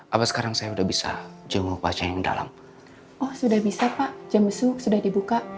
apa sekarang saya sudah bisa jongo baca yang dalam oh sudah bisa pak jam besok sudah dibuka